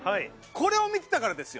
これを見てたからですよ。